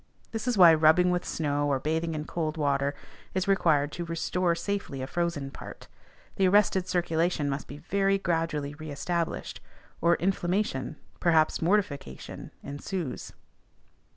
This is why rubbing with snow, or bathing in cold water, is required to restore safely a frozen part: the arrested circulation must be very gradually re established, or inflammation, perhaps mortification, ensues.